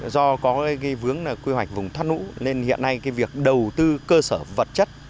do có cái vướng quy hoạch vùng thắt nũ nên hiện nay cái việc đầu tư cơ sở vật chất